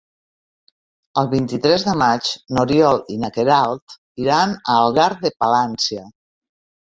El vint-i-tres de maig n'Oriol i na Queralt iran a Algar de Palància.